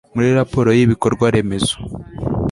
muri raporo yibikorwa remezo